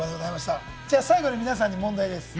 最後に皆さんに問題です。